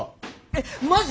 えっマジ！？